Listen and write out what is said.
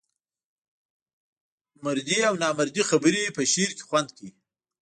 مردۍ او نامردۍ خبري په شعر کې خوند کوي.